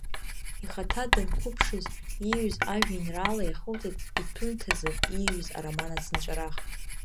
Ихаҭа данқәыԥшыз ииҩыз ажәеинраала иахылҵит иҭәымҭазы ииҩыз ароман Ацынҵәарах.